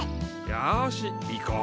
よし行こう。